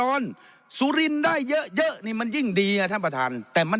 สุรินทร์ได้เยอะเยอะนี่มันยิ่งดีอ่ะท่านประธานแต่มัน